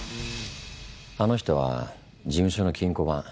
あの人は事務所の金庫番。